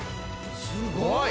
すごい！